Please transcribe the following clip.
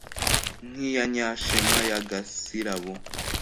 nk’iya nyashema ya gasirabo,